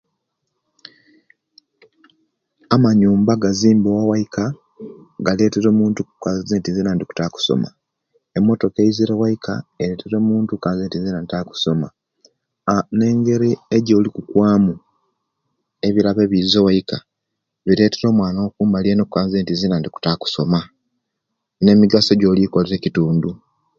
Amanyumba agazimbiwa obwaika gaketera omuntu okukoba nzena ntaka okwakusoma, emotoka eizire obwaika eretera omuntu okwa kusoma nengeei ejoli kukwamu ebirabo ebiza obwaika biretera omuwana bwokumbali okoba okukoba zenti ndikutaka okusoma nemigaso ejoli kolera ekitundu